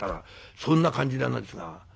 そんな感じなんですが。